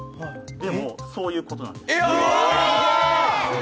でも、そういうことなんです。